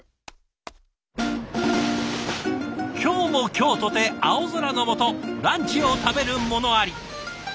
今日も今日とて青空の下ランチを食べる者あり。